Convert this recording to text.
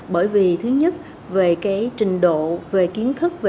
bởi vì thứ nhất về cái trình độ về kiến thức